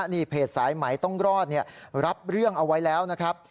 นี่เพจสายไหมต้องรอดรับเรื่องเอาไว้แล้วนะครับ